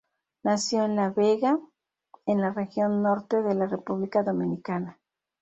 Nació en La Vega, en la región norte de la República Dominicana.